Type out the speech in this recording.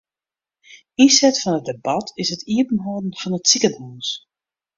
Ynset fan it debat is it iepenhâlden fan it sikehûs.